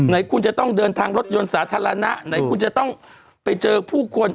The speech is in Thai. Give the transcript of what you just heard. ไหนคุณจะต้องเดินทางรถยนต์สาธารณะไหนคุณจะต้องไปเจอผู้คน